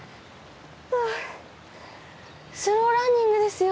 はぁスローランニングですよ。